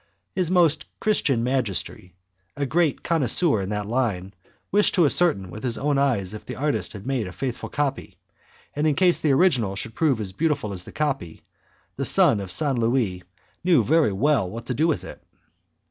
His Most Christian Majesty, a great connoisseur in that line, wished to ascertain with his own eyes if the artist had made a faithful copy; and in case the original should prove as beautiful as the copy, the son of St. Louis knew very well what to do with it.